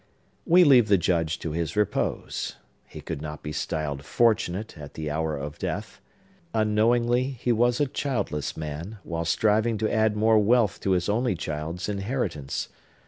We leave the Judge to his repose. He could not be styled fortunate at the hour of death. Unknowingly, he was a childless man, while striving to add more wealth to his only child's inheritance.